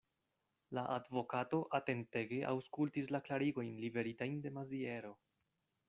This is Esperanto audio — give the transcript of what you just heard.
La advokato atentege aŭskultis la klarigojn liveritajn de Maziero.